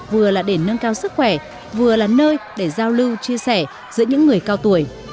vừa là để nâng cao sức khỏe vừa là nơi để giao lưu chia sẻ giữa những người cao tuổi